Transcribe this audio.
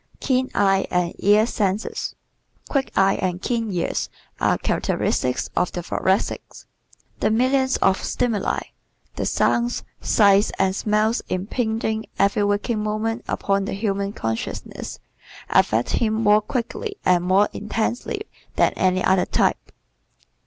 Keen Eye and Ear Senses ¶ Quick eyes and keen ears are characteristic of the Thoracics. The millions of stimuli the sounds, sights and smells impinging every waking moment upon the human consciousness affect him more quickly and more intensely than any other type.